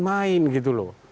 main gitu loh